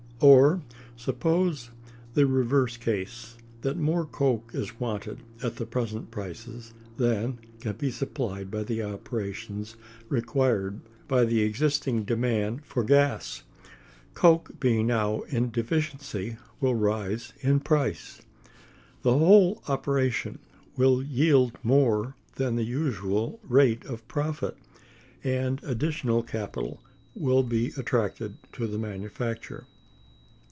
Or suppose the reverse case; that more coke is wanted at the present prices than can be supplied by the operations required by the existing demand for gas. Coke, being now in deficiency, will rise in price. The whole operation will yield more than the usual rate of profit, and additional capital will be attracted to the manufacture.